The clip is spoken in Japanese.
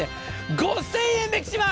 ５０００円引きします。